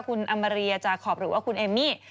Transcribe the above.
คุณอมรียาจาขอบหรือว่าคุณเอมมี่